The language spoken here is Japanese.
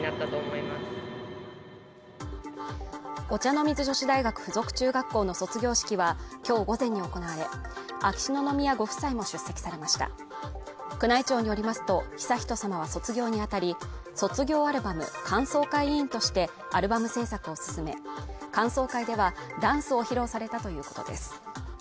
お茶の水女子大学附属中学校の卒業式はきょう午前に行われ秋篠宮ご夫妻も出席されました宮内庁によりますと悠仁さまは卒業に当たり卒業アルバム歓送会委員としてアルバム制作を進め歓送会ではダンスを披露されたということです